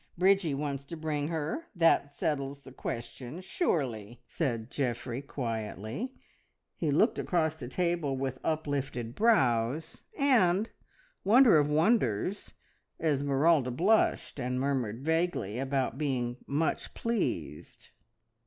Bridgie wants to bring her. That settles the question surely!" said Geoffrey quietly. He looked across the table with uplifted brows, and, wonder of wonders, Esmeralda blushed, and murmured vaguely about being "much pleased."